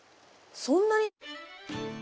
そんなに！